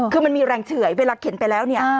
คือมันมีแรงเฉื่อยเวลาเข็นไปแล้วเนี่ย